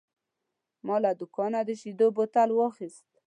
ما له دوکانه د شیدو بوتل واخیست.